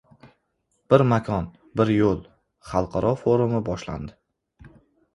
«Bir makon, bir yo‘l» xalqaro forumi boshlandi